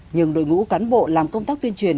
nhưng đội ngũ cán bộ làm công tác tuyên truyền